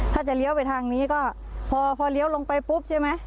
ถ้าจะเลี้ยวไปทางนี้ก็พอเลี้ยวลงไปปุ๊บใช่ไหม